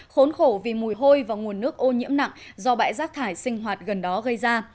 khốn khổ vì mùi hôi và nguồn nước ô nhiễm nặng do bãi rác thải sinh hoạt gần đó gây ra